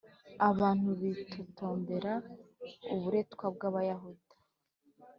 Abantu bitotombera uburetwa bw'Abayuda